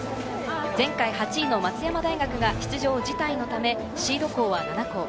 前回８位の松山大学が出場辞退のため、シード校は７校。